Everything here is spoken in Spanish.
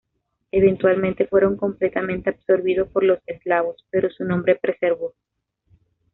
Eventualmente fueron completamente absorbidos por los eslavos, pero su nombre preservó.